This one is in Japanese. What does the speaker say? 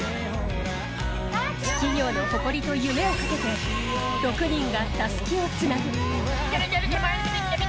企業の誇りと夢をかけて６人がたすきをつなぐ。